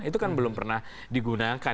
itu kan belum pernah digunakan